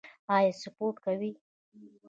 ایا سپورت کوئ؟